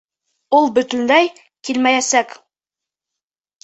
Ул бөтөнләй килмәйәсәк!